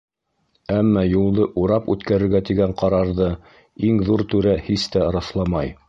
Әммә юлды урап үткәрергә тигән ҡарарҙы иң ҙур түрә һис тә раҫламай.